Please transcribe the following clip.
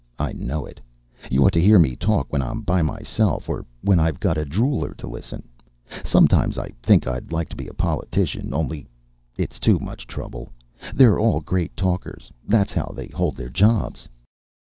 I know it. You ought to hear me talk when I'm by myself, or when I've got a drooler to listen. Sometimes I think I'd like to be a politician, only it's too much trouble. They're all great talkers; that's how they hold their jobs.